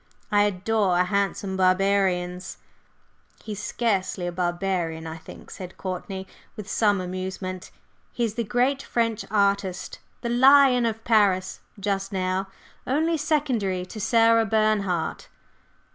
I adore handsome barbarians!" "He's scarcely a barbarian, I think," said Courtney, with some amusement; "he is the great French artist, the 'lion' of Paris just now, only secondary to Sarah Bernhardt."